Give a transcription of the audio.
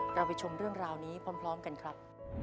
เราไปชมเรื่องราวนี้พร้อมกันครับ